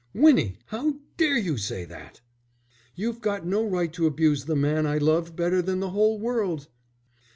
"Winnie, how dare you say that!" "You've got no right to abuse the man I love better than the whole world.